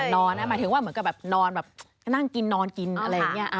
นอนนะหมายถึงว่าเหมือนกับแบบนอนแบบนั่งกินนอนกินอะไรอย่างนี้